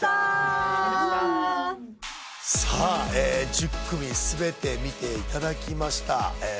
さあ１０組全て見ていただきました。